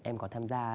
em có tham gia